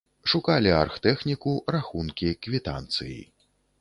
Шукалі аргтэхніку, рахункі, квітанцыі.